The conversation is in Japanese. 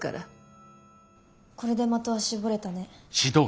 これで的は絞れたね。